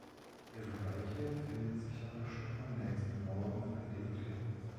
Ihre Leiche findet sich aber schon am nächsten Morgen an den Klippen.